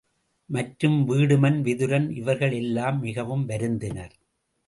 மற்றும் வீடுமன் விதுரன் இவர்கள் எல்லாம் மிகவும் வருந்தினர்.